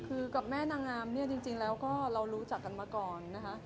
คือกับแม่นางงามเนี่ยจริงแล้วก็เรารู้จักกันมาก่อนนะคะ